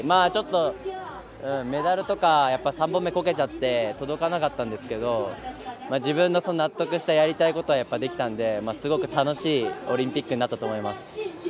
ちょっとメダルとか３本目こけちゃって届かなかったんですけど自分の納得したやりたいことはできたのですごく楽しいオリンピックになったと思います。